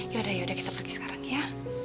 yaudah yaudah kita pergi sekarang ya